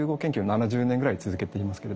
７０年ぐらい続けていますけれども。